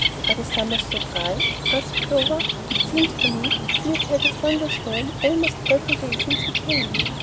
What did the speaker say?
"Are the summers so dry?" asked Clover. "It seems to me that we have had a thunder storm almost every day since we came."